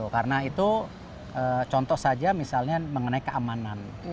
karena itu contoh saja misalnya mengenai keamanan